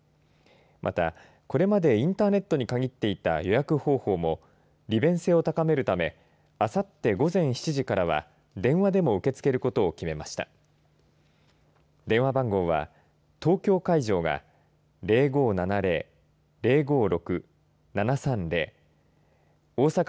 また、これまでインターネットに限っていた予約方法も利便性を高めるためあさって午前７時からは電話でも受け付けることを決めました。